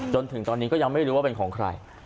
จนถึงตอนนี้ก็ยังไม่รู้ว่าเป็นของใคร